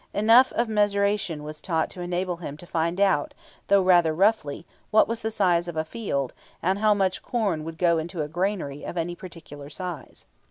Enough of mensuration was taught him to enable him to find out, though rather roughly, what was the size of a field, and how much corn would go into a granary of any particular size.